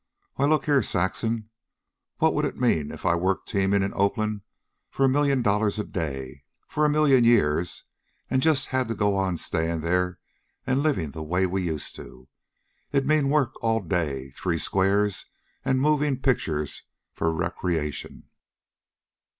Why, look here, Saxon, what'd it mean if I worked teamin' in Oakland for a million dollars a day for a million years and just had to go on stayin' there an' livin' the way we used to? It'd mean work all day, three squares, an' movin' pictures for recreation.